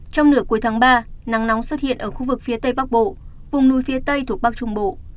trong nửa cuối tháng ba nắng nóng xuất hiện ở khu vực phía tây bắc bộ vùng núi phía tây thuộc bắc trung bộ